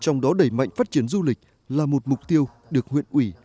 trong đó đẩy mạnh phát triển du lịch là một mục tiêu được huyện ủy